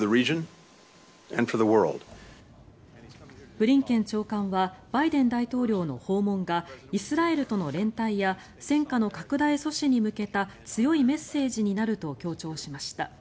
ブリンケン長官はバイデン大統領の訪問がイスラエルとの連帯や戦火の拡大阻止に向けた強いメッセージになると強調しました。